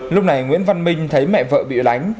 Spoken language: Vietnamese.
lúc này nguyễn văn minh thấy mẹ vợ bị đánh